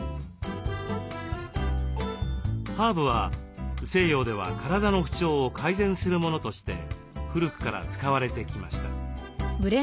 ハーブは西洋では体の不調を改善するものとして古くから使われてきました。